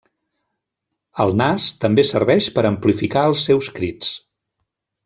El nas també serveix per amplificar els seus crits.